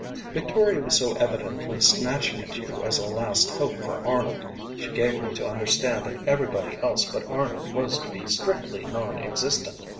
_ Victoria was so evidently snatching at you as a last hope for Arnold. She gave me to understand that everybody else but Arnold was to be strictly non existent.